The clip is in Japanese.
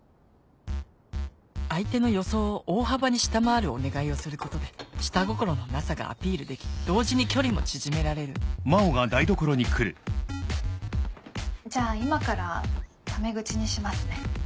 相手の予想を大幅に下回るお願いをすることで下心のなさがアピールでき同時に距離も縮められるじゃあ今からため口にしますね。